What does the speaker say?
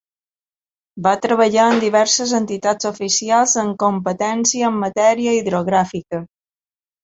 Va treballar en diverses entitats oficials amb competència en matèria hidrogràfica.